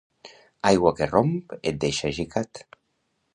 Aigua que romp et deixa gicat.